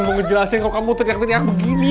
mau ngejelasin kalau kamu teriak teriak begini